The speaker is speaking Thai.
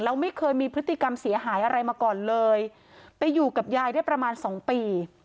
แล้วไม่เคยมีพฤติกรรมเสียหายอะไรมาก่อนเลยไปอยู่กับยายได้ประมาณสองปี